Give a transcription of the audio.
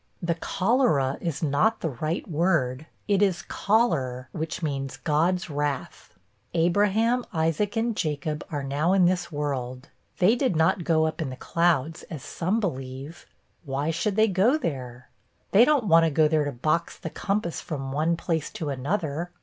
'The cholera is not the right word; it is choler, which means God's wrath. Abraham, Isaac, and Jacob are now in this world; they did not go up in the clouds, as some believe why should they go there? They don't want to go there to box the compass from one place to another.